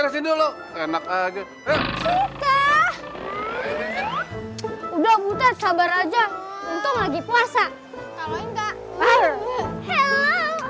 beresin dulu enak aja udah udah sabar aja untuk lagi puasa kalau enggak